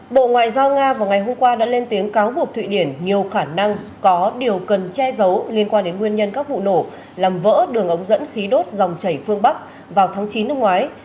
bộ ngoại giao nga vào ngày hôm qua đã lên tiếng cáo buộc thụy điển nhiều khả năng có điều cần che giấu liên quan đến nguyên nhân các vụ nổ làm vỡ đường ống dẫn khí đốt dòng chảy phương bắc vào tháng chín năm ngoái